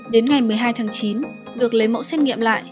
đến ngày một mươi hai tháng chín được lấy mẫu xét nghiệm lại